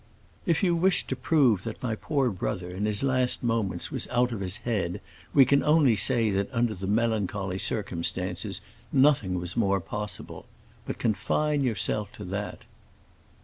"If you wish to prove that my poor brother, in his last moments, was out of his head, we can only say that under the melancholy circumstances nothing was more possible. But confine yourself to that."